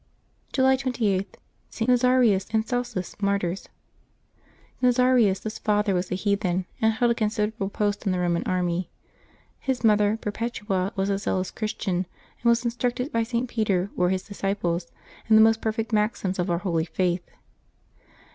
July 28.— STS. NAZARIUS and CELSUS, Martyrs. [t. Nazaeius's father was a heathen, and held a con siderable post in the Eoman army. His mother, Perpetua, was a zealous Christian, and was instructed by St. Peter, or his disciples, in the most perfect maxims of our holy faith.